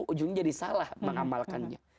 ujungnya jadi salah mengamalkannya